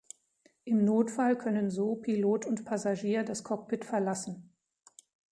Im Notfall können so Pilot und Passagier das Cockpit verlassen.